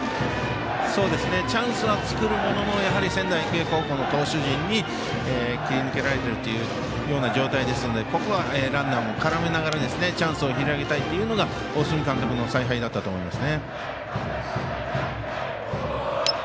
チャンスは作るもののやはり仙台育英高校の投手陣に切り抜けられてるというような状態ですのでここはランナーも絡めながらチャンスを広げたいというのが大角監督の采配だったと思います。